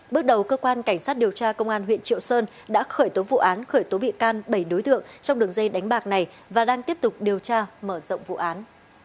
bước đầu cơ quan cảnh sát điều tra công an huyện triệu sơn đã khởi tố vụ án khởi tố bị can bảy đối tượng trong đường dây đánh bạc này và đang tiếp tục điều tra mở rộng vụ án